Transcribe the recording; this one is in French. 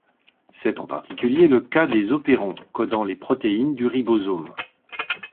C'est en particulier le cas des opérons codant les protéines du ribosome.